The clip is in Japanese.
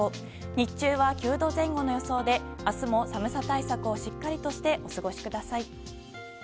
日中は９度前後の予想で明日も寒さ対策をしっかりとしてお過ごしください。